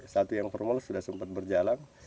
satu yang formal sudah sempat berjalan